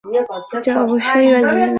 যদি না বাঁচাই, অবশ্যই বাঁচবে না।